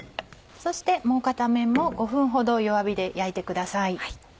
そしてもう片面も５分ほど弱火で焼いてください。